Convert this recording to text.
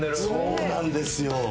そうなんですよ！